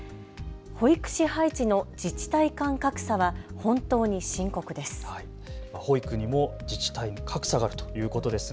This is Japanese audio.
保育士配置の自治体間格差は本当に深刻です。